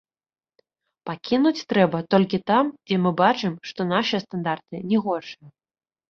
Пакінуць трэба толькі там, дзе мы бачым, што нашыя стандарты не горшыя.